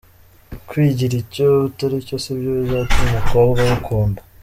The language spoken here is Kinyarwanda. Kwigira icyo utaricyo sibyo bizatuma umukobwa agukunda.